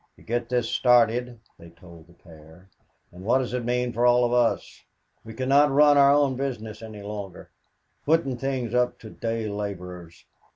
"You get this started," they told the pair, "and what does it mean for all of us? We cannot run our own business any longer. Putting things up to day laborers!